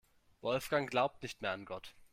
Wolfgang glaubt nicht mehr an Gott.